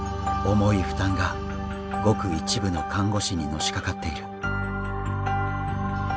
重い負担がごく一部の看護師にのしかかっている。